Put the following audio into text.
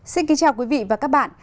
xin kính chào quý vị và các bạn